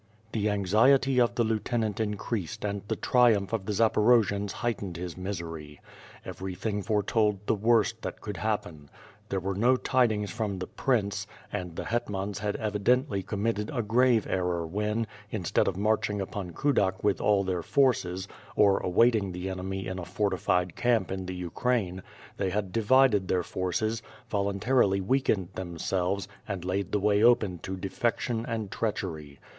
The anxiety of the lieutenant increased and the triumph of the Zaporojians heightened his misery. Everything fore told the worst that could happen. There were no tidings from the Prince — and the hetmans had evidently committed a grave error when, instead of marching upcn Kudak with all their forces, or awaiting the enemy in a fortified camp in the Ukraine, they had divided their forces, voluntarily weakened themselves and laid the way open to defection and treachery.